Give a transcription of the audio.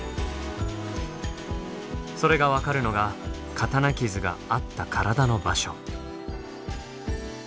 それが分かるのが刀傷があった体の場所。